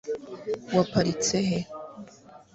waparitse he